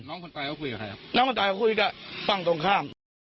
น้องคนตายเขาคุยกับใครครับน้องคนตายเขาคุยกับฝั่งตรงข้าม